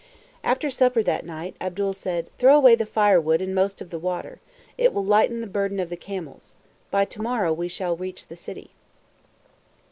After supper that night Abdul said, "Throw away the firewood and most of the water. It will lighten the burden of the camels. By to morrow we shall reach the city."